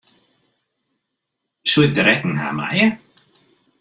Soe ik de rekken ha meie?